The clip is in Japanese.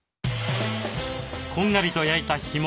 こんがりと焼いた干物。